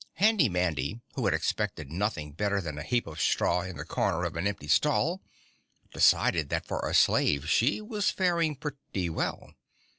Handy Mandy, who had expected nothing better than a heap of straw in the corner of an empty stall, decided that for a slave, she was faring pretty well.